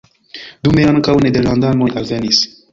Dume ankaŭ nederlandanoj alvenis.